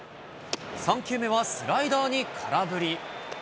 ３球目はスライダーに空振り。